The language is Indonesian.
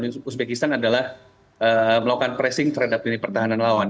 dan uzbekistan adalah melakukan pressing terhadap pertahanan lawan